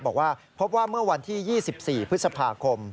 บอกว่าพบว่าเมื่อวันที่๒๔พฤษภาคม